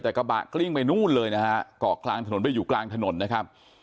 แต่กระบะกลิ้งไปนู่นเลยนะฮะเกาะกลางถนนไปอยู่กลางถนนนะครับ